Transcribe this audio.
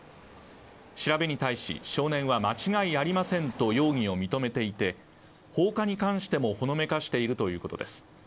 調べに対し少年は、間違いありませんと容疑を認めていて放火に関してもほのめかしているということです。